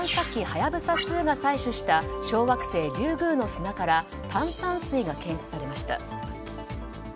「はやぶさ２」が採取した小惑星リュウグウの砂から炭酸水が検出されました。